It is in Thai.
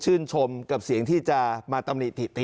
อืม